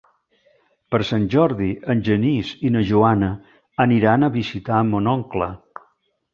Per Sant Jordi en Genís i na Joana aniran a visitar mon oncle.